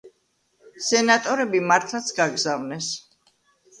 სენატორები მართლაც გაგზავნეს.